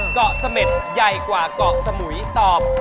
เกาะเสม็ดใหญ่กว่าเกาะสมุยตอบ